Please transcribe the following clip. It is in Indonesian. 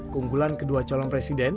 keunggulan kedua calon presiden